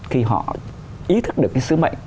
khi họ ý thức được cái sứ mệnh